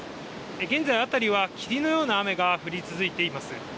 現在、辺りは霧のような雨が降り続いています。